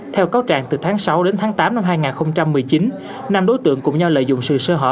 theo cáo trạng từ tháng sáu đến tháng tám năm hai nghìn một mươi chín năm đối tượng cùng nhau lợi dụng sự sơ hở